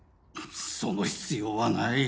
その必要はない。